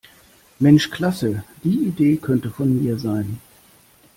Mensch klasse, die Idee könnte von mir sein!